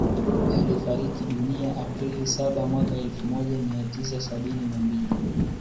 Alifariki dunia April saba mwaka elfu moja mia tisa sabini na mbili